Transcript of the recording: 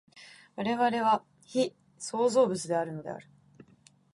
我々は被創造物であるのである。